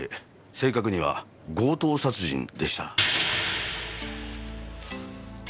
正確には強盗殺人でした。